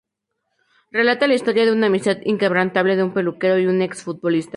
Relata la historia de una amistad inquebrantable de un peluquero y un ex futbolista.